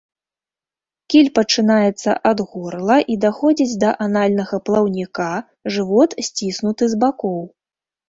Кіль пачынаецца ад горла і даходзіць да анальнага плаўніка, жывот сціснуты з бакоў.